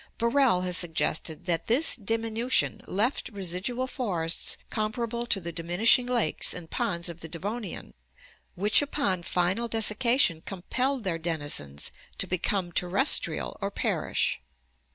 Barrell has suggested that this diminution left residual forests comparable to the dimin ishing lakes and ponds of the Devonian, which upon final desicca tion compelled their denizens to become terrestrial or perish.